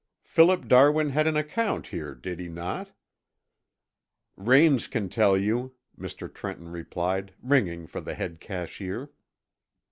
Philip Darwin had an account here, did he not?" "Raines can tell you," Mr. Trenton replied, ringing for the head cashier.